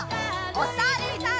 おさるさん。